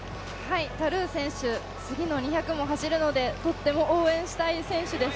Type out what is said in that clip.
タルー選手、次の２００も走るのでとっても応援したい選手です。